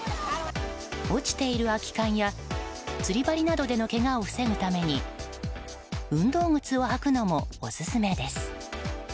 落ちている空き缶や釣り針などでのけがを防ぐために運動靴を履くのもオススメです。